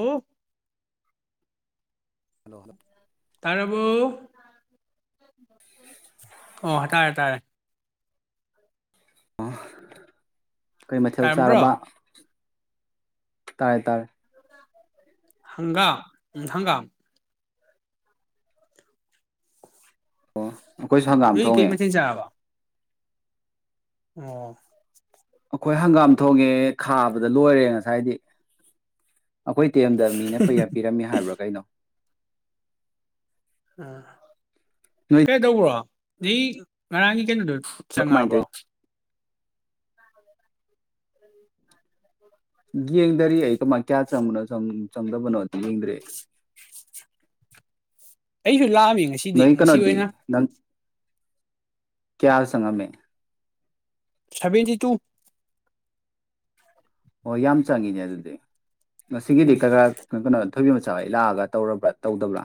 ꯎꯝ hello ꯇꯔꯕꯣ ꯑꯣ ꯇꯔꯦ ꯇꯔꯦ ꯑ ꯀꯩ ꯃꯊꯦꯜ ꯆꯥꯔꯕ ꯇꯥꯔꯝꯕ꯭ꯔꯣ ꯇꯔꯦ ꯇꯔꯦ ꯍꯪꯒꯥꯝ ꯍꯪꯒꯥꯝ ꯑꯩꯈꯣꯏꯁꯨ ꯍꯪꯒꯥꯝ ꯅꯣꯏ ꯀꯩ ꯊꯣꯡꯉꯦ ꯃꯊꯦꯜ ꯆꯥꯔꯕ ꯑꯣ ꯑꯩꯈꯣꯏ ꯍꯪꯒꯥꯝ ꯊꯣꯡꯉꯦ ꯈꯥꯕꯗ ꯂꯣꯏꯔꯦ ꯉꯁꯥꯏꯗꯤ ꯑꯩꯈꯣꯏ ꯇꯦꯝꯗ ꯃꯤꯅ ꯄꯔ ꯄꯤꯔꯝꯃꯤ ꯍꯥꯏꯕ꯭ꯔꯣ ꯀꯩꯅꯣ ꯑ ꯅꯣꯏ ꯀꯩ ꯇꯧꯕ꯭ꯔꯣ ꯉꯔꯥꯡꯒꯤ ꯀꯩꯅ ꯇꯣ ꯀꯃꯥꯏꯅ ꯆꯪꯉꯛꯑꯕꯣ ꯇꯧꯋꯤ ꯌꯦꯡꯗꯔꯤ ꯑꯩ ꯀꯃꯥꯏ ꯀꯌꯥ [inaudible] ꯆꯪꯗꯕꯅꯣꯗꯤ ꯌꯦꯡꯗ꯭ꯔꯦ ꯑꯩ ꯑꯩꯅ ꯂꯥꯛꯑꯝꯃꯤ ꯉꯁꯤꯗꯤ ꯉꯁꯤ ꯑꯣꯏꯅ ꯀꯌꯥꯗꯤ ꯆꯪꯉꯝꯃꯦ ꯁꯚꯦꯟꯇꯤ ꯇꯨ ꯑꯣ ꯌꯥꯝ ꯆꯪꯏꯅꯦ ꯑꯗꯨꯗꯤ ꯎꯝ [inaudible] ꯊꯣꯏꯕꯤ ꯃꯆꯥ ꯂꯥꯛꯑꯒ ꯇꯧꯔꯕ꯭ꯔꯥ ꯇꯧꯗꯕ꯭ꯔꯥ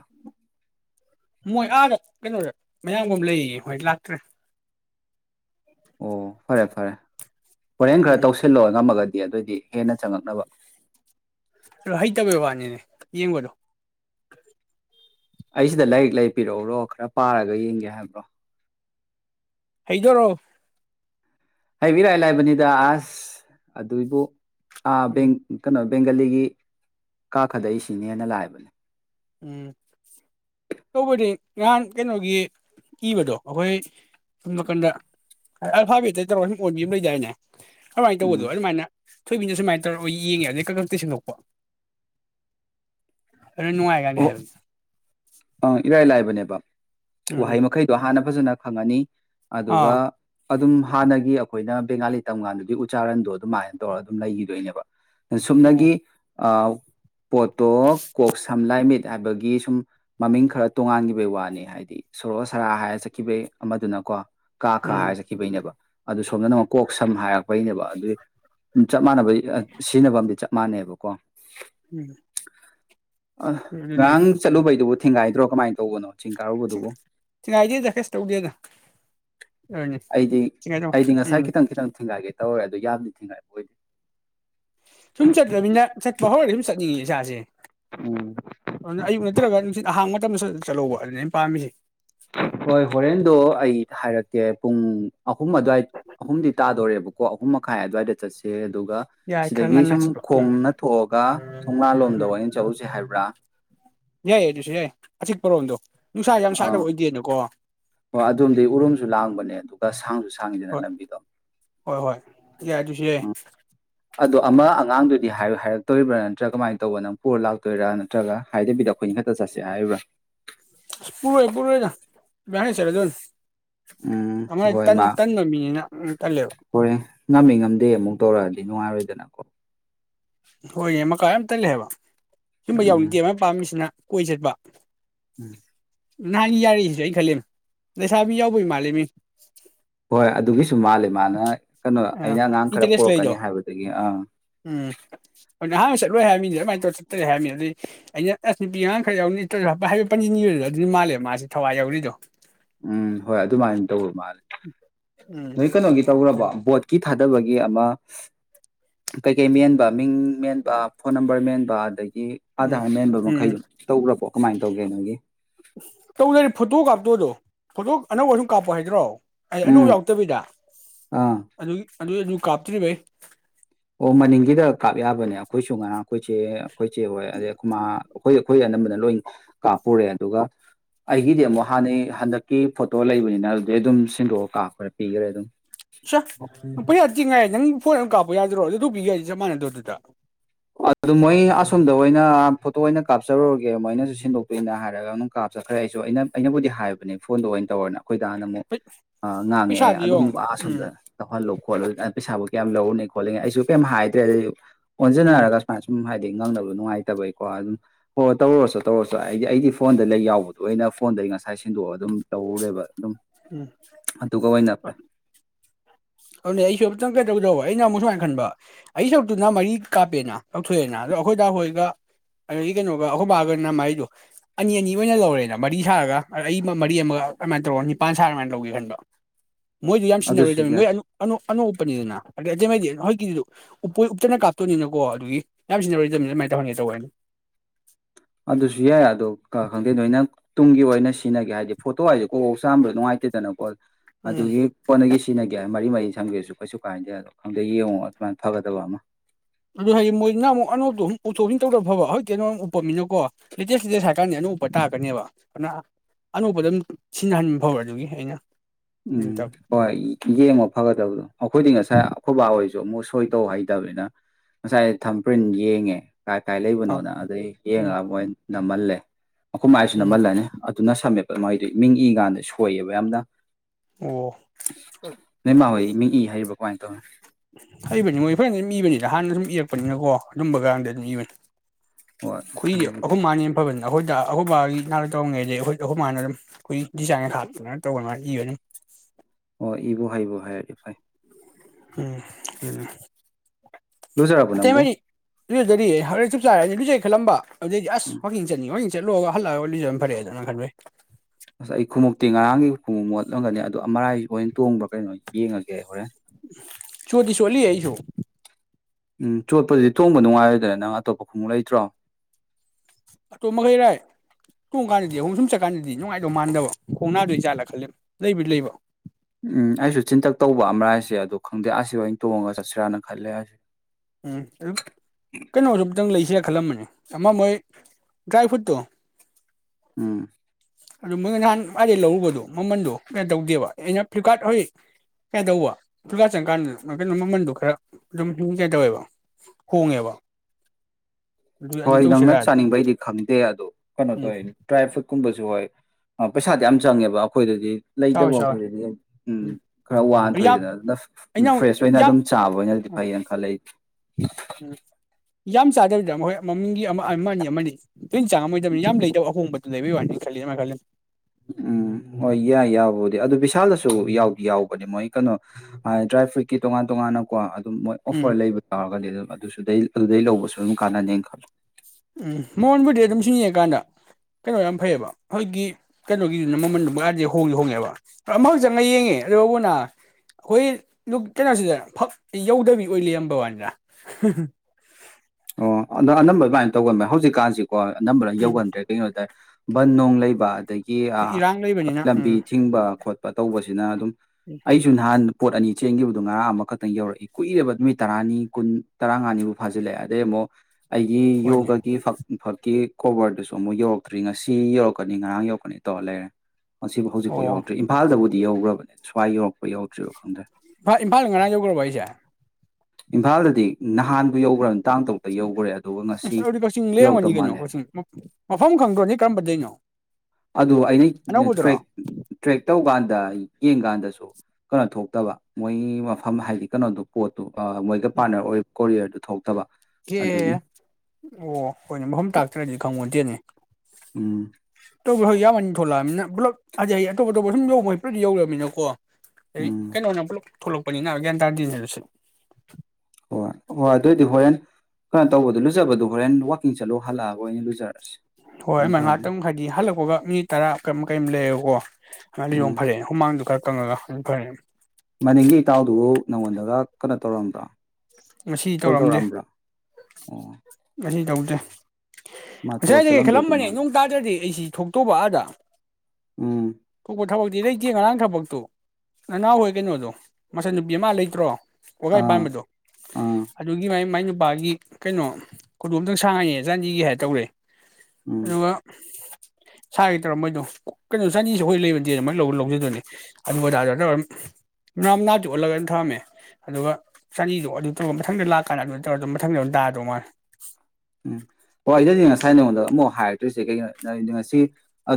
ꯃꯣꯏ ꯑꯥꯗ ꯀꯩꯅꯣꯗ ꯃꯌꯥꯝꯒ ꯂꯩꯌꯦ ꯃꯣꯏ ꯂꯥꯛꯇ꯭ꯔꯦ ꯑꯣ ꯐꯔꯦ ꯐꯔꯦ ꯍꯣꯔꯦꯟ ꯈꯔ ꯎꯝ ꯇꯧꯁꯤꯜꯂꯣ ꯉꯝꯃꯒꯗꯤ ꯑꯗꯨꯑꯣꯏꯗꯤ ꯍꯦꯟꯅ ꯆꯪꯉꯛꯅꯕ ꯣ ꯍꯩ ꯇꯕ ꯋꯥꯅꯤꯅꯦ ꯌꯦꯡꯕꯗꯣ ꯑꯩ ꯁꯤꯗ ꯂꯥꯏꯔꯤꯛ ꯂ ꯄꯔꯛꯎꯔꯣ ꯈꯔ ꯄꯥꯔꯒ ꯌꯦꯡꯒꯦ ꯍꯥꯏꯕ꯭ꯔꯣ ꯍꯩꯗꯔꯣ ꯍꯥꯏꯕꯤꯔꯛꯏ ꯂꯥꯏꯕꯅꯤꯗ ꯑꯁ ꯑꯗꯨꯏꯕꯨ ꯎꯝ ꯑꯥꯦꯡ ꯀꯩꯅꯣ ꯕꯦꯡꯒꯂꯤꯒꯤ ꯀꯥꯈꯗ ꯑꯩ ꯁꯤꯅꯦꯅ ꯂꯥꯛꯑꯏꯕꯅꯦ ꯎꯝ ꯇꯧꯕꯗꯤ ꯉꯍꯥꯟ ꯀꯩꯅꯣꯒꯤ ꯏꯕꯗꯣ ꯑꯩꯈꯣꯏ ꯁꯝ ꯅꯥꯀꯟꯗ ꯑꯜꯐꯥꯕꯦꯠꯇ ꯇꯧꯔ ꯁꯨꯝ ꯑꯣꯟꯕꯤ ꯑꯃ ꯂꯩꯗꯥꯏꯅꯦ ꯑꯗꯨꯃꯥꯏꯅ ꯇꯧꯕꯗꯣ ꯎꯝ ꯑꯗꯨꯃꯥꯏꯅ ꯊꯣꯏꯕꯤꯟꯗ ꯁꯨꯃꯥꯏꯅ ꯇꯧꯔꯒ ꯌꯦꯡꯉꯦ ꯑꯗꯩ ꯈꯛ ꯈꯛꯇ ꯁꯦꯡꯗꯣꯛꯄ ꯑꯗꯨ ꯍꯥꯏꯔ ꯑꯣ ꯕ ꯎꯝ ꯎꯝ ꯋꯥꯍꯩ ꯃꯈꯩꯗꯣ ꯍꯥꯟꯅ ꯐꯖꯅ ꯐꯪꯉꯅꯤ ꯑꯗꯨꯒ ꯑꯥ ꯑꯗꯨꯝ ꯍꯥꯟꯅꯒꯤ ꯑꯩꯈꯣꯏꯅ ꯕꯦꯡꯒꯥꯂꯤ ꯇꯝꯀꯥꯟꯗꯨꯒꯤ ꯎꯆꯥꯥꯔꯟꯗꯣ ꯑꯗꯨꯃꯥꯏꯅ ꯇꯧꯔꯒ ꯑꯗꯨꯝ ꯂꯩꯈꯤꯗꯣꯏꯅꯦꯕ ꯑꯣ ꯁꯨꯞꯅꯒꯤ ꯑ ꯄꯣꯠꯇꯣ ꯀꯣꯛ ꯁꯝ ꯂꯥꯏ ꯃꯤꯠ ꯍꯥꯏꯕꯒꯤ ꯁꯨꯝ ꯃꯃꯤꯡ ꯈꯔ ꯇꯣꯉꯥꯟꯈꯤꯕꯒꯤ ꯋꯥꯅꯤ ꯍꯥꯏꯗꯤ ꯁꯣꯔꯣꯛ ꯁꯔꯥ ꯍꯥꯏꯔ ꯆꯠꯈꯤꯕꯩ ꯑꯃꯗꯨꯅꯀꯣ ꯀꯥ ꯈꯥ ꯎꯝ ꯍꯥꯏꯖꯈꯤꯕꯩꯅꯦꯕ ꯑꯗꯨ ꯁꯣꯝꯗꯅ ꯑꯃꯛ ꯀꯣꯛ ꯁꯝ ꯍꯥꯏꯔꯛꯄꯩꯅꯦꯕ ꯑꯗꯨꯒꯤ ꯆꯞ ꯃꯥꯟꯅꯕꯩ ꯁꯤꯖꯤꯟꯅꯕ ꯑꯃꯗꯤꯝ ꯆꯞ ꯃꯥꯟꯅꯩꯕꯀꯣ ꯎꯝ ꯑ ꯑꯗꯨꯅꯤ ꯉꯥꯡ ꯆꯂꯨ ꯥꯏꯗꯨꯕꯨ ꯊꯦꯡꯒꯥꯏꯗ꯭ꯔꯣ ꯀꯃꯥꯏ ꯇꯧꯕꯅꯣ ꯆꯤꯡ ꯀꯥꯔꯨꯕꯗꯨꯕꯨ ꯆꯤꯡꯉꯥꯏꯗꯦꯗ ꯀꯩꯁꯨ ꯇꯧꯗꯦꯗ ꯑꯗꯨꯅꯤ ꯑꯩꯗꯤ ꯆꯤꯡꯉꯥꯏ ꯇꯧ ꯑꯩꯗꯤ ꯉꯁꯥꯏ ꯎꯝ ꯈꯤꯇꯪ ꯈꯤꯇꯪ ꯊꯤꯡꯒꯥꯏꯒꯦ ꯇꯧꯔꯦ ꯑꯗꯨ ꯌꯥꯝꯗꯤ ꯊꯤꯡꯉꯥꯏꯕ ꯑꯣꯏꯗꯦ ꯁꯨꯝ ꯆꯠꯇ꯭ꯔꯃꯤꯅ ꯆꯠꯄ ꯍꯧꯔꯒꯗꯤ ꯁꯨꯝ ꯆꯠꯅꯤꯡꯉꯤ ꯏꯁꯥꯁꯦ ꯎꯝ ꯑꯗꯨ ꯑꯌꯨꯛ ꯅꯠꯇ꯭ꯔꯒ ꯅꯨꯡꯁꯤꯠ ꯑꯍꯥꯡꯕ ꯃꯇꯝꯗꯁꯨ ꯆꯠꯂꯧꯕ ꯑꯗꯨꯅꯦ ꯑꯩꯅ ꯄꯥꯝꯃꯤꯁꯦ ꯍꯣꯏ ꯍꯣꯔꯦꯟꯗꯣ ꯑꯩ ꯍꯥꯏꯔꯛꯀꯦ ꯄꯨꯡ ꯑꯍꯨꯝ ꯑꯗꯨꯋꯥꯏ ꯑꯍꯨꯝꯗꯤ ꯇꯥꯗꯣꯔꯦꯕꯀꯣ ꯑꯍꯨꯝ ꯃꯈꯥꯏ ꯑꯗꯨꯋꯥꯏꯗ ꯆꯠꯁꯦ ꯑꯗꯨꯒ ꯌꯥꯏ ꯈꯔ ꯁꯤꯗꯒꯤ ꯉꯟꯅ ꯁꯨꯝ ꯆꯠꯄ ꯎꯝ ꯈꯣꯡꯅ ꯊꯣꯛꯑꯒ ꯊꯣꯡꯅꯥꯥ ꯂꯣꯝꯗ ꯎꯝ ꯑꯣꯏꯅ ꯆꯠꯂꯨꯁꯦ ꯍꯥꯏꯕ꯭ꯔꯥ ꯌꯥꯏ ꯌꯥ ꯑꯗꯨꯁꯨ ꯌꯥꯏ ꯑ ꯄꯔꯣꯟꯗꯣ ꯑꯥ ꯍꯣꯏ ꯑꯗꯨꯣꯝꯗꯤ ꯎꯔꯨꯝꯁꯨ ꯂꯥꯡꯕꯅꯦ ꯑꯗꯨꯒ ꯁꯥꯡꯁꯨ ꯁꯥꯡꯉꯤꯗꯅ ꯍꯣꯏ ꯂꯝꯕꯤꯗꯣ ꯍꯣꯏ ꯍꯣꯏ ꯌꯥꯏ ꯑꯗꯨꯁꯨ ꯌꯥꯏ ꯎꯝ ꯑꯗꯣ ꯑꯃ ꯑꯉꯥꯡꯗꯨꯗꯤ ꯍꯥꯏꯌꯨ ꯍꯥꯏꯔ ꯆꯠꯇꯣꯔꯤꯕ꯭ꯔꯥ ꯅꯠꯇ꯭ꯔꯒ ꯀꯃꯥꯏꯅ ꯇꯧꯕ ꯅꯪ ꯄꯨꯔ ꯂꯥꯛꯇꯣꯏꯔꯥ ꯅꯠꯇ꯭ꯔꯒ ꯍꯥꯏꯗꯕꯤꯗ ꯑꯩꯈꯣꯏꯅꯤ ꯈꯛꯇ ꯆꯠꯁꯦ ꯍꯥꯏꯔꯤꯕ꯭ꯔꯥ ꯄꯨꯔ ꯄꯔ ꯌꯥꯅꯤꯁꯔꯖ ꯎꯝ ꯍꯣꯏ ꯃꯥ ꯃꯤꯅꯤꯅ ꯎꯝ ꯇꯜꯂꯦꯕ ꯍꯣꯔꯦꯟ ꯉꯝꯅꯤ ꯉꯝꯗꯦ ꯑꯃꯨꯛ ꯇꯧꯔꯛꯑꯗꯤ ꯗꯤ ꯅꯨꯡꯉꯥꯏꯔꯣꯏꯗꯅꯀꯣ ꯍꯣꯏ ꯌꯥꯡ ꯃꯈꯥ ꯌꯥꯝ ꯇꯂꯦ ꯍꯥꯏꯕ ꯁꯨꯝꯕ ꯌꯥꯎꯅꯤꯡ ꯎꯝ ꯀꯦ ꯃꯣꯏꯅ ꯄꯥꯝꯃꯤꯁꯤꯅ ꯀꯣꯏ ꯆꯠꯄ ꯎꯝ ꯅꯍꯥꯟ ꯌꯥꯔꯤꯁꯦ ꯑꯩ ꯈꯜꯂꯤ ꯂꯩꯁꯥꯕꯤ ꯌꯥꯎꯕꯩ ꯃꯥꯜꯂꯤ ꯃꯤ ꯍꯣꯏ ꯑꯗꯨꯒꯤ ꯎ ꯑꯥ ꯈꯔ ꯏꯟꯇꯔꯦꯁ ꯂꯩꯗꯣ ꯄꯣꯔꯛꯀꯅꯤ ꯍꯥꯏꯕꯗꯒꯤ ꯑꯥ ꯎꯝ ꯅꯍꯥꯟ ꯆꯠꯂꯣꯏ ꯍꯥꯏꯃꯤꯅꯦ ꯑꯃꯥꯏ ꯇꯧꯔ ꯇꯔꯦ ꯍꯥꯏꯕꯅꯤ ꯑꯗꯨꯗꯤ ꯑꯩꯅ ꯑꯁ ꯅꯨꯄꯤ ꯑꯉꯥꯡ ꯈꯔ ꯌꯥꯎꯅꯤ ꯍꯥꯏꯕ ꯄꯟꯅꯤ ꯑꯣꯏꯗꯣ ꯑꯗꯨꯗꯤ ꯃꯥꯂꯦꯕ ꯃꯥꯁꯤ ꯊꯋꯥꯏ ꯌꯥꯎꯔꯤꯗꯣ ꯎꯝ ꯍꯣꯏ ꯑꯗꯨꯃꯥꯏꯅ ꯇꯧꯕ ꯃꯥꯂꯦ ꯎꯝ ꯅꯣꯏ ꯀꯩꯅꯣꯒꯤ ꯇꯧꯔꯕ ꯕꯣꯠꯀꯤ ꯊꯥꯗꯕꯒꯤ ꯑꯃ ꯀꯩ ꯀꯩ ꯃꯦꯟꯕ ꯃꯤꯡ ꯃꯦꯟꯕ ꯐꯣꯟ ꯅꯝꯕꯔ ꯃꯦꯟꯕ ꯑꯗꯒꯤ ꯎꯝ ꯑꯥꯙꯥꯔ ꯃꯦꯟꯕ ꯎꯝ ꯃꯈꯩꯗꯣ ꯇꯧꯒ꯭ꯔꯕꯣ ꯀꯃꯥꯏ ꯇꯧꯒꯦ ꯅꯪꯒꯤ ꯇꯧꯗꯔꯤ ꯐꯣꯇꯣ ꯀꯥꯞꯇꯣꯗꯣ ꯐꯣꯇꯣ ꯑꯅꯧ ꯕꯁꯨꯝ ꯀꯥꯞꯄꯣ ꯍꯥꯏꯗ꯭ꯔꯣ ꯑꯩ ꯑꯅꯣꯛ ꯎꯝ ꯌꯥꯎꯇꯕꯤꯗ ꯑꯥ ꯑꯗꯨꯒꯤ ꯑꯗꯨ ꯀꯥꯞꯇ꯭ꯔꯤꯕꯩ ꯈꯣꯏꯁꯨ ꯉꯔꯥꯡ ꯈꯣꯏꯆꯦ ꯑꯈꯣꯏ ꯆꯦ ꯍꯣꯏ ꯑꯗꯩ ꯑꯈꯣꯏꯃꯥ ꯑꯈꯣꯏ ꯑꯈꯣꯏ ꯑꯅꯝꯕꯅ ꯂꯣꯏ ꯀꯥꯞꯄꯨꯔꯦ ꯑꯗꯨꯒ ꯑꯩꯒꯤꯗꯤ ꯑꯃꯨꯛ ꯍꯥꯟꯅꯩ ꯍꯟꯗꯛꯀꯤ ꯐꯣꯇꯣ ꯂꯩꯕꯅꯤꯅ ꯑꯗꯨꯗꯩ ꯑꯗꯨꯝ ꯁꯤꯟꯗꯣꯛꯑꯒ ꯀꯥꯞꯈꯔꯦ ꯄꯤꯒꯔꯦ ꯑꯗꯨꯝ [unintelligible] ꯐꯣꯟ ꯑꯝ ꯀꯥꯞꯄꯦ ꯌꯥꯗ꯭ꯔꯣ ꯑꯗꯨ ꯑꯗꯨ ꯄꯤꯒꯦ ꯆꯞ ꯃꯥꯟꯅꯗ꯭ꯔꯣ ꯑꯗꯨꯗ ꯑꯗꯨ ꯃꯣꯏ ꯑꯁꯣꯝꯗ ꯑꯣꯏꯅ ꯐꯣꯇꯣ ꯑꯣꯏꯅ ꯀꯥꯞꯆꯔꯨꯔꯒꯦ ꯃꯣꯏꯅꯁꯨ ꯁꯤꯟꯗꯣꯛꯇꯣꯏꯅꯤꯅ ꯍꯥꯏ [unintelligible] ꯀꯥꯞꯆꯠꯈ꯭ꯔꯦ ꯑꯩꯁꯨ ꯑꯩꯅ ꯑꯩꯅꯕꯨꯗꯤ ꯍꯥꯏꯕꯅꯦ ꯐꯣꯟꯗꯣ ꯑꯣꯏ ꯇꯧꯋꯣꯅ ꯑꯈꯣꯏꯗꯥꯅ ꯑꯃꯨꯛ ꯉꯥꯡꯉꯛꯑꯦ ꯄꯩꯁꯥꯗꯤ ꯑꯗꯨꯝ ꯌꯦꯡꯉꯣ ꯎꯝ ꯑꯁꯣꯝꯗ ꯇꯧꯍꯜꯂꯨ ꯈꯣꯠꯂ ꯄꯩꯁꯥꯕꯨ ꯀꯌꯥꯝ ꯂꯧꯔꯅꯤ ꯈꯣꯠꯂꯤ ꯑꯩꯁꯨ ꯀꯩꯝ ꯍꯥꯏꯗ꯭ꯔꯦ ꯑꯗꯨ ꯎꯝ ꯑꯣꯟꯖꯅꯥꯔ ꯁꯨꯝ ꯍꯥꯏꯗꯤ ꯉꯪꯅꯕꯗ ꯅꯨꯡꯉꯥꯏꯇꯕꯩꯀꯣ ꯑꯗꯨꯝ ꯍꯣꯏ ꯇꯧꯔꯨꯔꯣꯆꯣ ꯇꯧꯔꯨꯔꯣꯆꯣ ꯑꯩꯗꯤ ꯑꯩꯗꯤ ꯐꯣꯟꯗ ꯂꯩ ꯌꯥꯎꯕꯗꯣ ꯑꯩꯅ ꯐꯣꯟꯗꯒꯤ ꯉꯁꯥꯏ ꯁꯤꯟꯗꯣꯛꯑ ꯑꯗꯨꯝ ꯇꯧꯔꯨꯔꯦꯕ ꯑꯗꯨꯝ ꯎꯝ ꯑꯗꯨꯒ ꯑꯣꯏꯅ ꯑꯗꯨꯅꯦ ꯑꯩꯁꯨ ꯑꯝꯇꯪ [unintelligible] ꯑꯩꯅ ꯑꯃꯨꯛ ꯁꯨꯃꯥꯏꯅ ꯈꯟꯕ ꯑꯩ ꯁꯔꯨꯛꯇꯨꯅ ꯃꯔꯤ ꯀꯥꯞꯄꯦꯅ ꯂꯧꯊꯣꯛꯑꯦꯅ ꯑꯗꯣ ꯑꯈꯣꯏ ꯗꯥ ꯍꯣꯏꯒ ꯑꯗꯒꯤ ꯀꯩꯅꯣꯒ ꯑꯩꯈꯣꯏ ꯕꯥꯒꯅ ꯃꯥꯔꯤꯗꯣ ꯑꯅꯤ ꯑꯅꯤ ꯑꯣꯏꯅ ꯂꯧꯔꯦꯅ ꯃꯔꯤ ꯁꯥꯔꯒ ꯑꯩ ꯃꯔꯤ ꯑꯃꯒ ꯑꯗꯨꯃꯥꯏ ꯇꯧꯔ ꯄꯥꯟ ꯁꯥꯔ ꯑꯗꯨꯃꯥꯏ ꯂꯧꯒꯦ ꯈꯟꯕ ꯃꯣꯏꯗꯨ ꯌꯥꯝ ꯑꯗꯨꯁꯨ ꯁꯤꯟꯅꯔꯣꯏꯗꯕꯅꯤ ꯃꯣꯏ ꯌꯥꯏ ꯑꯅꯣꯛ ꯎꯟꯄꯅꯤꯗꯅ [unintelligible] ꯎꯞꯇꯅ ꯀꯥꯞꯇꯣꯏꯅꯤꯅꯀꯣ ꯑꯗꯨꯒꯤ ꯌꯥꯝ ꯁꯤꯖꯤꯟꯅꯔꯣꯏꯗꯕꯅꯤ ꯑꯗꯨꯃꯥꯏꯅ ꯇꯧꯍꯟꯒꯦ ꯇꯧꯕ ꯑꯩꯅ ꯑꯗꯨꯁꯨ ꯌꯥꯏ ꯑꯗꯣ ꯀ ꯈꯪꯗꯦ ꯅꯣꯏꯅ ꯇꯨꯡꯒꯤ ꯑꯣꯏꯅ ꯁꯤꯖꯤꯟꯅꯒꯦ ꯍꯥꯏꯗꯤ ꯐꯣꯇꯣ ꯍꯥꯏ ꯀꯣꯛ ꯁꯥꯝꯕꯗꯣ ꯅꯨꯡꯉꯥꯏꯇꯦꯗꯅꯀꯣ ꯎꯝ ꯑꯗꯨꯒꯤ ꯀꯣꯟꯅꯒꯤ ꯁꯤꯖꯤꯟꯅꯒꯦ ꯍꯥꯏ ꯃꯔꯤ ꯃꯔꯤ ꯁꯪꯕꯤꯔꯁꯨ ꯀꯩꯁꯨ ꯀꯥꯏꯗꯦ ꯑꯗꯒꯤ ꯌꯦꯡꯉꯣ ꯑꯗꯨꯃꯥꯏꯅ ꯐꯒꯗꯕ ꯑꯃ ꯑꯗꯨ ꯍꯥꯏꯗꯤ ꯃꯣꯏꯅ ꯑꯃꯨꯛ ꯑꯅꯣꯛꯇꯣ [unintelligible] ꯇꯧꯔ ꯐꯕ [unintelligible] ꯀꯩꯅꯣ ꯑꯃꯨꯛ ꯎꯞꯄꯃꯤꯅꯀꯣ [unintelligible] ꯇꯥꯛꯀꯅꯦꯕ ꯑꯗꯨꯅ ꯑꯅꯣꯞꯄꯗꯣ ꯑꯗꯨꯝ ꯁꯤꯖꯤꯟꯅꯍꯟꯕ ꯐꯧꯔꯦ ꯑꯗꯨꯒꯤ ꯑꯩꯅ ꯎꯝ ꯍꯣꯏ ꯌꯦꯡꯉꯣ ꯐꯒꯗꯕꯗꯣ ꯑꯩꯈꯣꯏꯗꯤ ꯉꯁꯥꯏ ꯑꯩꯈꯣꯏ ꯕꯥꯍꯣꯏꯖꯨ ꯑꯃꯨꯛ ꯁꯣꯏ ꯇꯧ ꯍꯩꯇꯕꯅꯤꯅ ꯉꯁꯥꯏ ꯊꯝꯄ꯭ꯔꯤꯟ ꯌꯦꯡꯉꯦ꯫ ꯀꯥꯏ ꯀꯥꯏ ꯑ ꯂꯩꯕꯅꯣꯅ ꯑꯗꯨꯗꯩ ꯎꯝ ꯌꯦꯡꯉꯒ ꯃꯣꯏ ꯅꯝꯃꯜꯂꯦ꯫ ꯑꯩꯈꯣꯏ ꯃꯥꯏꯁꯨ ꯎꯝ ꯅꯝꯃꯜꯂꯅꯤ ꯑꯗꯨꯅ ꯁꯝꯃꯦ꯫ ꯃꯥꯏꯗꯣ ꯃꯤꯡ ꯏꯔꯀꯥꯟꯗ ꯁꯣꯏꯑꯕ ꯌꯥꯝꯅ꯫ ꯑꯣ ꯅꯣꯏ ꯃꯥ ꯍꯣꯏ ꯃꯤ ꯏ ꯍꯩꯕꯣ ꯀꯃꯥꯏ ꯇꯧꯋꯦ꯫ ꯍꯩꯕꯅꯤ ꯃꯣꯏ ꯐꯖꯅ ꯑꯗꯨꯝ ꯏꯕꯅꯤꯗ ꯍꯥꯟꯅ ꯁꯨꯝ ꯏꯔꯛꯄꯅꯤꯅꯀꯣ꯫ ꯑꯗꯨꯝꯕꯀꯥꯟꯗ ꯑꯗꯨꯝ ꯏꯕꯅꯤ ꯍꯣꯏ ꯈꯨꯏꯗꯤ ꯑꯗꯨꯕꯨꯗꯤ ꯑꯈꯣꯏ ꯃꯥꯅ ꯍꯦꯟꯅ ꯐꯕꯅꯤ꯫ ꯑꯩꯈꯣꯏꯗ ꯑꯈꯣꯏ ꯕꯥꯒꯤ ꯅꯥ ꯇꯧꯔꯤꯉꯩꯗꯤ ꯑꯩꯈꯣꯏꯗꯤ ꯑꯈꯣꯏ ꯃꯥꯅ ꯑꯗꯨꯝ ꯑꯩꯈꯣꯏ ꯗꯤꯖꯥꯏꯟꯒ ꯍꯥꯞꯇꯅ ꯇꯧꯕ ꯑꯗꯨꯃꯥꯏꯅ ꯏꯕꯅꯤ ꯑꯗꯨꯝ꯫ ꯑꯣ ꯏꯕꯣꯍꯩꯕꯨ ꯍꯩꯔꯗꯤ ꯐꯩ꯫ ꯎꯝ ꯂꯨꯖꯔꯕꯣ ꯅꯪꯕꯨ [unintelligible] [unintelligible] [unintelligible] ꯈꯜꯂꯝꯕ꯫ ꯑꯗꯩꯗꯤ ꯑꯁ ꯎꯝ ꯄꯪꯏꯪ ꯏꯪꯖꯜꯂꯤ ꯄꯪꯏꯪ ꯏꯪꯖꯜꯂꯤ꯫ ꯆꯠꯂꯣꯑꯒ ꯍꯜꯂꯛꯑꯒ ꯂꯤꯖꯕꯅ ꯐꯔꯦ ꯑꯗꯨꯅ ꯈꯟꯕꯩ꯫ ꯑꯁ ꯑꯩ ꯈꯨꯃꯨꯛꯇꯤ ꯉꯔꯥꯡꯒꯤ ꯈꯨꯃꯨꯛꯎ ꯃꯣꯠ ꯆꯠꯂꯝꯒꯅꯤ ꯑꯗꯣ ꯑꯃꯔꯥꯏꯒꯤ ꯑꯣꯏꯅ ꯇꯣꯡꯕ꯭ꯔꯥ ꯀꯩꯅꯣ ꯌꯦꯡꯉꯒꯦ ꯍꯣꯔꯦꯟ꯫ ꯆꯣꯠꯇꯤ ꯆꯣꯠꯂꯤ ꯑꯩꯖꯨ꯫ ꯎꯝ ꯆꯣꯠꯄꯖꯤ ꯊꯣꯡꯕ ꯅꯨꯡꯉꯥꯏꯔꯣꯏꯗ꯭ꯔꯥ ꯅꯪ ꯑꯇꯣꯞꯄ ꯈꯣꯡꯎꯞ ꯂꯩꯇ꯭ꯔꯣ꯫ ꯑꯇꯣꯞ ꯃꯈꯩ ꯔꯥꯏ ꯇꯣꯡꯀꯥꯟꯗꯗꯤ ꯑꯍꯨꯝ ꯁꯨꯝ ꯆꯠꯀꯥꯟꯗꯗꯤ ꯅꯨꯡꯉꯥꯏꯗꯧ ꯃꯥꯟꯗꯕ ꯈꯣꯡꯅꯥꯗꯣꯏ ꯖꯥꯠꯂ ꯈꯜꯂꯤꯕ ꯂꯩꯕꯨꯗꯤ ꯂꯩꯕ꯫ ꯎꯝ ꯑꯩꯖꯨ ꯆꯤꯟꯇꯛ ꯇꯧꯕ ꯑꯃ ꯍꯥꯏꯁꯦ ꯑꯗꯣ ꯈꯪꯗꯦ ꯑꯁꯤ ꯑꯣꯏꯅ ꯇꯣꯡꯉꯒ ꯆꯠꯁꯤꯔꯥꯅ ꯈꯜꯂꯦ꯫ ꯎꯝ ꯑꯗꯨ ꯀꯩꯅꯣꯗꯣ ꯑꯝꯇꯪ ꯂꯩꯁꯤ꯫ ꯖꯤꯔ ꯈꯜꯂꯝꯕꯅꯤ ꯑꯃ ꯃꯣꯏ ꯗ꯭ꯔꯥꯏ ꯐ꯭ꯔꯨꯏꯠꯇꯣ꯫ ꯎꯝ꯫ ꯑꯗꯨ ꯃꯣꯏ ꯅꯍꯥꯟ ꯃꯗꯩ ꯂꯧꯔꯨꯕꯗꯣ ꯃꯃꯜꯗꯣ ꯀꯩꯗꯧꯗꯦꯕ ꯑꯩꯅ ꯐ꯭ꯂꯤꯞꯀꯥꯔꯠ ꯍꯣꯏ ꯀꯩꯗꯧꯕ ꯐ꯭ꯂꯤꯞꯀꯥꯔꯠ ꯆꯪꯀꯥꯟꯗ ꯀꯩꯅꯣ ꯃꯃꯜꯗꯣ ꯈꯔ ꯑꯗꯨꯝ [unintelligible] ꯋꯦꯕ ꯍꯣꯡꯉꯦꯕ ꯑꯗꯨ ꯑꯗꯨ ꯍꯣꯏ ꯅꯪꯅ ꯇꯧꯁꯤꯔꯥꯅ ꯆꯥꯅꯤꯡꯕꯩꯗꯤ ꯈꯪꯗꯦ ꯑꯗꯨꯣ ꯀꯩꯅꯣ ꯎꯝ ꯇꯧꯋ ꯗ꯭ꯔꯥꯏ ꯐ꯭ꯔꯨꯏꯠ꯫ ꯀꯨꯝꯕꯁꯨ ꯍꯣꯏ ꯄꯩꯁꯥꯗꯤ ꯌꯥꯝ ꯆꯪꯉꯦꯕ ꯑꯩꯈꯣꯏꯗꯗꯤ꯫ ꯆꯥꯎꯋꯦ ꯂꯩꯇꯕꯣ ꯆꯥꯎꯋꯦ ꯑꯩꯈꯣꯏꯗꯗꯤ ꯎꯝ ꯈꯔ ꯋꯥꯅ ꯌꯥꯝ ꯊꯣꯛꯏꯗꯅ ꯑꯗꯨꯅ ꯑꯩꯅ ꯑꯃꯨꯛ ꯐ꯭ꯔꯦꯁ ꯑꯣꯏꯅ ꯌꯥꯝ ꯑꯗꯨꯝ ꯆꯥꯕ ꯑꯣꯏꯅꯗꯤ ꯎꯝ ꯐꯩꯌꯦꯅ ꯈꯜꯂꯛꯏ꯫ ꯌꯥꯝ ꯆꯥꯗꯕꯤꯗ ꯍꯣꯏ ꯃꯃꯤꯡꯒꯤ ꯑꯃ ꯑꯃꯅꯤ ꯑꯃꯅꯤ ꯂꯣꯏ ꯆꯥꯡꯉꯝꯃꯣꯏꯗꯕꯅꯤ ꯌꯥꯝ ꯂꯩꯗꯕ ꯑꯍꯣꯡꯕꯗꯣ ꯂꯩꯕꯒꯤ ꯋꯥꯅꯤ ꯈꯜꯂꯤ ꯑꯃ ꯈꯜꯂꯤ꯫ ꯎꯝ ꯍꯣꯏ ꯌꯥꯏ ꯌꯥꯕꯕꯨꯗꯤ ꯑꯗꯨ ꯕꯤꯁꯥꯜꯗꯁꯨ ꯌꯥꯎꯗꯤ ꯌꯥꯎꯕꯅꯦ ꯃꯣꯏ ꯀꯩꯅꯣ ꯗ꯭ꯔꯥꯏ ꯐ꯭ꯔꯨꯏꯠꯀꯤ ꯇꯣꯉꯥꯟ ꯇꯣꯉꯥꯟꯅꯀꯣ ꯑꯗꯨꯝ ꯃꯣꯏ ꯎꯝ ꯑꯣꯐꯔ ꯂꯩꯕ ꯇꯥꯔꯒꯗꯤ ꯑꯗꯨꯝ ꯑꯗꯨꯁꯨꯗꯩ ꯑꯗꯨꯗꯩ ꯂꯧꯕꯁꯨ ꯑꯗꯨꯝ ꯀꯥꯟꯅꯅꯦꯅ ꯈꯜꯂꯨ꯫ ꯎꯝ ꯃꯉꯣꯟꯕꯨꯗꯤ ꯑꯗꯨꯝ ꯁꯤꯖꯤ ꯌꯦꯡꯉꯀꯥꯟꯗ ꯀꯩꯅꯣ ꯌꯥꯝ ꯐꯩꯑꯕ ꯍꯧꯖꯤꯀꯤ ꯀꯩꯅꯣꯒꯤꯗꯨꯅ ꯃꯃꯜꯗꯨ ꯃꯥꯗꯤ ꯍꯣꯡꯗꯤ ꯍꯣꯡꯉꯦꯕ ꯑꯃꯛ ꯆꯪꯉꯒ ꯌꯦꯡꯉꯦ ꯑꯗꯨꯕꯨꯅ ꯑꯩꯈꯣꯏ ꯂꯨꯞ ꯀꯩꯅꯣꯁꯤꯗ ꯐꯛ ꯌꯧꯗꯕꯤ ꯑꯣꯏ ꯂꯩꯔꯝꯕꯩ ꯋꯥꯅꯤꯗ꯫ ꯑꯣ ꯑꯗꯣ ꯑꯅꯝꯕ ꯑꯗꯨꯃꯥꯏꯅ ꯇꯧꯒꯟꯕꯅꯦ ꯍꯧꯖꯤꯛꯀꯥꯟꯖꯤ ꯀꯣ ꯑꯅꯝꯕꯅ ꯎꯝ ꯌꯧꯒꯟꯗ꯭ꯔꯦ ꯀꯩꯅꯣ ꯇꯥꯏ ꯕꯟ ꯅꯨꯡ ꯂꯩꯕ ꯑꯗꯩꯩ ꯒꯤ ꯑ ꯏꯔꯥꯡ ꯂꯩꯕꯅꯤꯅ ꯂꯝꯕꯤ ꯎꯝ ꯊꯤꯡꯕ ꯈꯣꯠ ꯄꯥꯇꯧꯕꯁꯤꯅ ꯑꯗꯨꯝ ꯑꯩꯁꯨꯨ ꯅꯍꯥꯟ ꯄꯣꯠ ꯑꯅꯤ ꯆꯦꯟꯒꯤꯕꯗꯣ ꯉꯔꯥꯡ ꯑꯃꯈꯛꯇꯪ ꯌꯧꯔꯛꯏ ꯀꯨꯏꯔꯦꯕ ꯅꯨꯃꯤꯠ ꯇꯔꯥꯅꯤ ꯀꯨꯟ ꯇꯔꯥꯃꯥꯉꯥꯅꯤꯕꯨ ꯐꯥꯖꯤꯜꯂꯛꯑꯦ ꯑꯦꯃꯣ ꯑꯩꯒꯤ ꯍꯣꯏꯅꯦ ꯌꯣꯒꯥꯒꯤ ꯐꯛ ꯐꯛꯀꯤ ꯀꯣꯕꯔꯗꯨꯁꯨ ꯑꯃꯨꯛ ꯌꯧꯔꯛꯇ꯭ꯔꯤ ꯉꯁꯤ ꯌꯧꯔꯛꯀꯅꯤ ꯉꯔꯥꯡ ꯌꯧꯔꯛꯀꯅꯤ ꯇꯧꯔ ꯂꯩꯔꯦ ꯃꯁꯤꯕꯨ ꯍꯧꯖꯤꯛꯐꯥꯎ ꯑꯣ ꯌꯧꯔꯛꯇ꯭ꯔꯤ ꯏꯝꯐꯥꯜꯗꯕꯨꯗꯤ ꯌꯧꯒꯔꯕꯅꯦ ꯁ꯭ꯋꯥꯏ ꯌꯧꯔꯛꯄ ꯌꯧꯔꯛꯇꯔꯤꯕ ꯈꯪꯗ꯭ꯔꯦ ꯏꯐꯥꯜ ꯏꯝꯐꯥꯜ ꯉꯥꯔꯥꯟ ꯌꯧꯒꯔꯥꯕ ꯍꯥꯏꯖꯦ ꯏꯝꯐꯥꯜꯗꯗꯤ ꯅꯍꯥꯟꯕꯨ ꯌꯧꯒꯔꯃꯤ ꯇꯥꯡ ꯇꯔꯨꯛꯇ ꯌꯧꯒꯔꯦ ꯑꯁ ꯑꯗꯨꯗꯤ ꯀꯛꯆꯤꯡ ꯂꯝꯒꯅꯤ ꯀꯩꯅꯣ ꯀꯥꯛꯆꯤꯡ ꯃꯐꯝ ꯈꯪꯗ꯭ꯔꯣꯅꯦ ꯀꯔꯝꯕꯗꯩꯅꯣ ꯑꯗꯨ ꯑꯩꯅ ꯑꯅꯧꯕꯗꯨꯔꯣ ꯇ꯭ꯔꯦꯛ ꯇ꯭ꯔꯦꯛ ꯇꯧ ꯀꯥꯟꯗ ꯑꯩ ꯌꯦꯡ ꯀꯥꯟꯗꯁꯨ ꯀꯩꯅꯣ ꯊꯣꯛꯇꯕ ꯃꯣꯏ ꯃꯐꯝ ꯍꯥꯏꯗꯤ ꯀꯩꯅꯣꯗꯣ ꯄꯣꯠꯇꯨ ꯑ ꯃꯣꯏꯒ ꯄꯥꯅꯔ ꯑꯣꯏꯕ ꯀꯣꯔꯤꯌꯔꯗꯨ ꯊꯣꯛꯇꯕ ꯀꯦ ꯑꯗꯨꯒꯤ ꯑꯣ ꯍꯣꯏꯅꯦ ꯃꯐꯝ ꯇꯥꯛꯇ꯭ꯔꯗꯤ ꯈꯪꯄꯣꯠꯇꯦꯅꯦ [inaudible] ꯎꯝ ꯑꯇꯧꯕ ꯌꯧꯃꯅꯤ ꯊꯣꯛꯂꯛꯑꯃꯤꯅ ꯄꯨꯂꯞ ꯑꯗꯩꯩ ꯑꯇꯣꯞ ꯑꯇꯣꯞꯄ ꯁꯨꯝ ꯌꯧꯕ ꯍꯩ ꯄꯨꯂꯞ ꯌꯧꯔꯕꯃꯤꯅꯀꯣ ꯑꯩ ꯎꯝ ꯀꯩꯅꯣꯅꯦ ꯄꯨꯂꯞ ꯊꯣꯛꯂꯛꯄꯅꯤꯅ ꯒ꯭ꯌꯥꯟ ꯇꯥꯗꯔ꯭ꯤꯅꯦꯗꯨꯁꯨ ꯍꯣꯏ ꯍꯣꯏ ꯑꯗꯨꯑꯣꯏꯗꯤ ꯍꯣꯔꯦꯟ ꯀꯩꯅꯣ ꯇꯧꯕꯗꯣ ꯂꯨꯖꯕꯗꯨꯣ ꯍꯣꯔꯦꯟ ꯋꯥꯛꯀꯤꯡ ꯆꯠꯂꯨ ꯍꯜꯂꯛꯑꯒ ꯑꯣꯏꯅ ꯂꯨꯖꯔꯁꯦ ꯍꯣꯏ ꯑꯃꯥꯏꯅ ꯉꯛꯇꯪ ꯍꯥꯏꯗꯤ ꯍꯜꯂꯛꯄꯒ ꯃꯤꯅꯤꯠ ꯇꯔꯥ ꯀꯩꯃꯥ ꯀꯩꯃꯥ ꯂꯩꯔꯒꯥ ꯑꯣ ꯍꯟꯗꯤꯌꯣ ꯎꯝ ꯐꯔꯦ ꯍꯨꯃꯥꯡꯗꯣ ꯈꯔ ꯀꯪꯉꯥꯒ ꯑꯗꯨ ꯐꯔꯅꯤ ꯃꯅꯤꯡꯒꯤ ꯏꯇꯥꯎꯗꯨꯕꯨ ꯅꯪꯉꯣꯟꯗꯒ ꯀꯩꯅꯣ ꯇꯧꯔꯝꯕꯔꯣ ꯉꯁꯤ ꯇꯧꯔꯛꯑꯝꯗꯦ ꯑꯣ ꯉꯁꯤ ꯇꯧꯗꯦ ꯃꯥ ꯊꯕꯛ ꯉꯁꯥꯏꯗꯒꯤ ꯆꯠꯂꯝꯗꯧꯗꯤ ꯈꯜꯂꯝꯕꯅꯦ ꯃꯥꯜꯂꯦ ꯅꯣꯡ ꯇꯥꯗ꯭ꯔꯗꯤ ꯑꯩꯁꯤ ꯊꯣꯛꯇꯧꯕ ꯑꯥꯗ ꯎꯝ ꯀꯨ ꯀꯨ ꯊꯥꯎ ꯗꯤ ꯂꯩꯇꯦ ꯉꯔꯥꯡ ꯊꯕꯛꯇꯨ ꯅꯅꯥꯎ ꯍꯣꯏ ꯀꯩꯅꯣꯗꯣ ꯃꯆꯟꯅꯨꯄꯤ ꯑꯃ ꯂꯩꯇ꯭ꯔꯣ ꯋꯥꯒꯥꯏ ꯑꯥ ꯄꯥꯟꯕꯗꯣ ꯑꯥ ꯑꯗꯨꯒꯤ ꯃꯥꯏ -ꯃꯥꯏ ꯅꯨꯞ꯫ ꯕꯥꯒꯤ ꯀꯩꯅꯣ ꯈꯨꯗꯣꯞꯇꯪ ꯁꯥꯡꯉꯅ‌ꯦ ꯆꯥꯟꯗꯤꯒꯤ ꯍꯥꯏ ꯇꯧꯔꯦ꯫ ꯎꯝ ꯑꯗꯨꯒ꯫ ꯁꯥꯒ‌ꯦ ꯇꯧꯔꯃꫭꯏꯗꯨ ꯀꯩꯅꯣ ꯆꯥꯟꯗꯤꯁꯨ ꯑꯈꯣꯏ ꯂꯩꯕꯗꯦꯅ ꯂꯧ ꯂꯧꯖꯗꯅꯤ ꯑꯗꯨ ꯑꯗꯗ ꯇꯧꯔ ꯎꯝ ꯅꯍꯥꯟ ꯅꯥꯞꯇꯤ ꯑꯣꯜꯂꯒ ꯑꯗꯨ ꯊꯝꯃꯦ ꯑꯗꯨꯒ꯫ ꯆꯅꯤꯗꯣ ꯑꯗꯨ ꯇꯧꯔꯒ ꯃꯊꯪꯗ ꯂꯥꯛꯀꯥꯟꯗ ꯑꯗꯨ ꯇꯧꯔ ꯑꯗꯨꯝ ꯃꯊꯪꯗ ꯑꯗꯨꯝ ꯇꯗꯥꯗꯧ ꯃꯥꯜꯂꯤ꯫ ꯑꯩ ꯅꯉꯣꯟꯗ ꯑꯃꯨꯛ ꯍꯥꯏꯔꯛꯇꯣꯏꯁꯦ ꯀꯩꯒꯤꯅꯣ ꯉꯁꯤ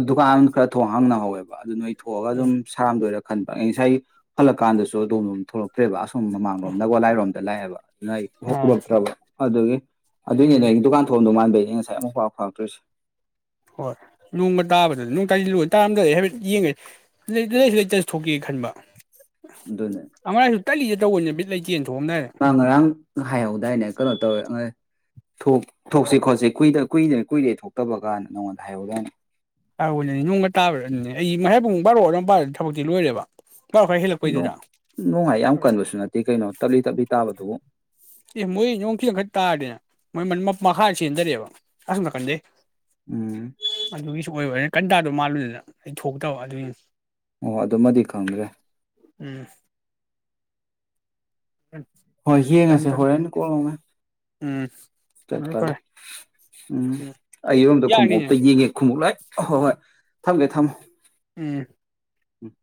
ꯗꯨꯀꯥꯟ ꯈꯔ ꯊꯣꯡ ꯍꯥꯡꯅꯍꯧꯑꯦꯕ ꯑꯗꯨ ꯅꯣꯏ꯫ ꯊꯣꯛꯑꯒ ꯑꯗꯨꯝ ꯁꯔꯝꯗꯣꯏꯔ꯫ ꯈꯟꯕ ꯉꯁꯥꯏ ꯍꯜꯂꯀ ꯀꯥꯟꯗꯁꯨ ꯑꯗꯣꯂꫭꯝ ꯊꯣꯛꯂꯛꯇ꯭ꯔꯦꯕ ꯑ꯫ ꯁꯨꯝ ꯃꯃꯥꯡꯂꫭꯝ ꯎꯝ ꯅꯒꯥꯜꯂꯥꯏꯔꯣꯝ꯫ ꯂꯥꯏꯑꯦꯕ꯫ ꯅꯥꯏ ꯑꯣ ꯎꯔꯛꯊ꯭ꯔꯥꯕ꯫ ꯑꯗꯨꯒꯤ꯫ ꯑꯗꯨꯏꯅꯦ ꯎꯝ ꯅꫭꯏꯗꯨꯀꯥꯟ ꯊꫭꯛꯑꯝꯗꯣꯏ ꯃꯥꯟ꯫ ꯉꯁꯥꯏ ꯑꯃꯨꯛ ꯄꯥꯎ ꯐꯥꯎꯇ꯭ꯔꯤꯁꯤ꯫ ꯍꯣꯏ ꯅꯣꯡꯒ ꯇꯥꯕꯗꯨꯗ ꯅꫭꯡꯇꯥꯏꯂꯣꯏ ꯇꯥꯔꯝꯗ ꯑꯩ ꯍꯥꯏꯐꯦꯠ ꯌꯦꯡꯉꯦ ꯂꯩꯇ ꯂꯩꯁꯨ ꯂꯩꯇꯁꯨ ꯊꯣꯛꯀꯦ ꯈꯟꯕ꯫ ꯑꯗꯨꯅꯦ ꯑꯃ ꯔꯥꯏꯁꯨ ꯇꯜꯂꯤꯗ꯫ ꯇꯧꯕꯩꯅ ꯕꯤꯠ ꯂꯩꯇꯦꯅ‌ꯦꯟ꯫ ꯃꯥ ꯉꯔꯥꯡ ꯍꯥꯏꯍꯧꯗꯥꯏꯅꯦ ꯀꯩꯅꯣ ꯇꯧꯔꯦ꯫ ꯊꯣꯛ ꯊꯣꯛꯁꯤ ꯈꯣꯠꯁꯤ ꯀꯨꯏꯗ ꯀꯨꯏꯗꯅ ꯀꯨꯏꯔꯦ ꯊꯣꯛꯇꯕ ꯀꯥꯟꯅ ꯅꯪꯉꯣꯟꯗ ꯍꯥꯏꯍꯧꯗꯣꯏꯅꯦ꯫ ꯍꯥꯏꯍꯧꯕꯅꯤ ꯅꯣꯡꯒ ꯇꯥꯕꯅꯦ ꯗꯨꯅꯤ ꯑꯩ ꯃꯌꯥꯥꯏ ꯄꯨꯡ ꯕꯥꯔꯣ ꯑꯗꫭꯝꯄꯗ ꯊꯕꯛꯇꯤ ꯂꯣꯏꯔꯦꯕ꯫ ꯕꯥꯔꯣ ꯈꯔ ꯍꯦꯜꯂꯛꯄꯩꯗꯨꯗ ꯅꫭꯡ-ꯅꫭꯡꯍꯥꯏ ꯌꯥꯝ ꯀꯟꯕꯁꯨ ꯅꯠꯇꯦ ꯀꯩꯅꯣ ꯇꯞꯂꯤ ꯇꯞꯂꯤ ꯇꯥꯕꯗꯨꯕꯨ꯫ ꯑꯦ ꯃꯣꯏ ꯅꯥꯡꯈꯤꯗꯪꯈꯛꯇꯪ ꯇꯥꯔꯗꯤꯅ‌ꯦ ꯃꯣꯏ ꯃꯈꯥ ꯆꯦꯟꯗꯔꯛꯑꯦꯕ ꯑꯁꫭꯝ ꯅꯀꯟꯗꯩ꯫ ꯎꯝ ꯑꯗꯨꯒꯤꯁꯨ ꯑꯣꯏꯕ꯫ ꯀꯟ ꯇꯥꯗꫭ ꯃꯥꯜꯂꯨꯗꯅ ꯑꯩ ꯊꯣꯛꯇꯕ ꯑꯗꯨꯒꯤꯅꯤ꯫ ꯑꯣ ꯑꯗꯨꯃꯗꯤ ꯈꯪꯗ꯭ꯔꯦ꯫ ꯎꯝ꯫ ꯍꯣꯏ ꯒ꯭ꯌꯥꯟ ꯌꯦꯡꯉꯁꯦ ꯇꯥꯗꯦ ꯍꯣꯔꯦꯟ ꯀꯣꯛꯂꯥꯎꯃꯩ꯫ ꯎꯝ꯫ ꯆꯠꯄꯒꯤ ꯎꯝ ꯎꯝ ꯑꯩꯔꯣꯝꯗ ꯌꯥꯅꯤꯅꯦ ꯈꯣꯡꯎꯞꯇ ꯌꯦꯡꯉꯦ ꯈꯣꯡꯎꯞ ꯂꯥꯏ ꯍꯣꯏ ꯍꯣꯏ꯫ ꯊꯝꯒꯦ ꯊꯝꯃꫭ꯫ ꯎꯝ ꯎꯝ꯫